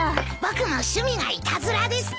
僕も趣味がいたずらです。